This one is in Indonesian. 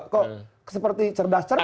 kok seperti cerdas cerdak